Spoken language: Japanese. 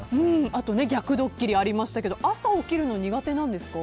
あと逆ドッキリがありましたが朝、起きるの苦手なんですか？